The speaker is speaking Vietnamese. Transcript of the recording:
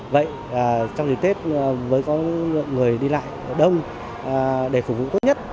vậy trong dịp tết với có người đi lại đông để phục vụ tốt nhất